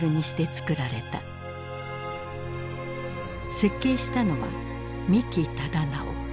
設計したのは三木忠直。